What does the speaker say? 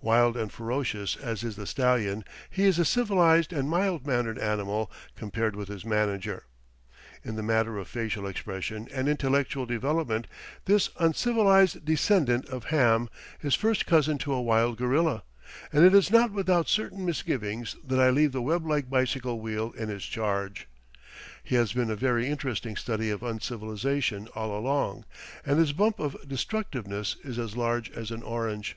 Wild and ferocious as is the stallion, he is a civilized and mild mannered animal compared with his manager. In the matter of facial expression and intellectual development this uncivilized descendant of Ham is first cousin to a wild gorilla, and it is not without certain misgivings that I leave the web like bicycle wheel in his charge. He has been a very interesting study of uncivilization all along, and his bump of destructiveness is as large as an orange.